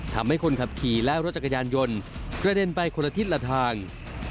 ทำให้คนขับขี่และรถจักรยานยนต์กระเด็นไปคนละทิศละทาง